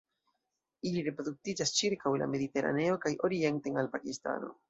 Ili reproduktiĝas ĉirkaŭ la Mediteraneo kaj orienten al Pakistano.